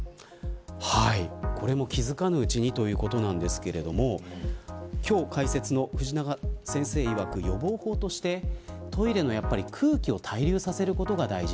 これも気付かぬうちにということなんですけれども今日、解説の藤永先生いわく予防法としてトイレの空気を対流させることが大事。